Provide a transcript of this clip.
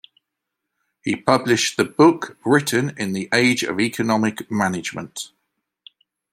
He published the book "Britain in the Age of Economic Management".